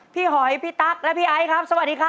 หอยพี่ตั๊กและพี่ไอ้ครับสวัสดีครับ